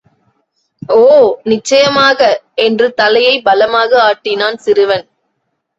ஓ நிச்சயமாக! என்று தலையைப் பலமாக ஆட்டினான் சிறுவன்.